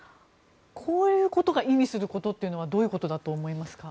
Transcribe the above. こういうことが意味することというのはどういうことだと思いますか。